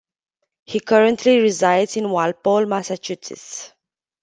He currently resides in Walpole, Massachusetts.